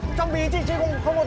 trong bí chị không có tiền